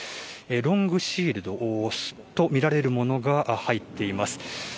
ロングシールドとみられるものが入っています。